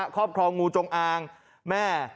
ครอบครองงูจงอางแม่